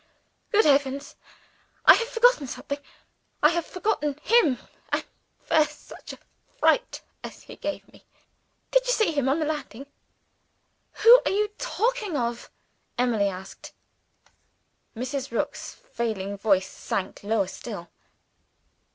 Good heavens, I have forgotten something! I have forgotten him. And after such a fright as he gave me! Did you see him on the landing?" "Who are you talking of?" Emily asked. Mrs. Rook's failing voice sank lower still.